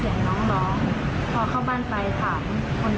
เรื้อมน้องขึ้นมาค่ะแล้วก็เห็นว่าน้องมันห่วงปว่าง